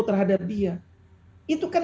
terhadap dia itu kan